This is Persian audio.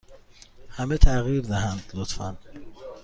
همه تغییر دهند، لطفا.